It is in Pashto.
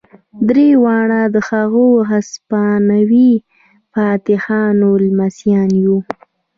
درې واړه د هغو هسپانوي فاتحانو لمسیان وو.